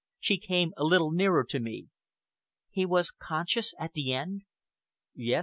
She came a little nearer to me. "He was conscious at the end?" "Yes!"